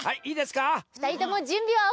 ふたりともじゅんびはオッケー？